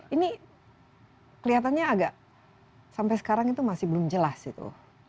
ini kelihatannya agak sampai sekarang itu masih belum jelas itu